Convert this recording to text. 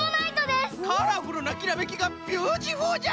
カラフルなきらめきがビューティフルじゃ。